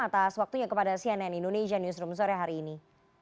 atas waktunya kepada cnn indonesia newsroom sore hari ini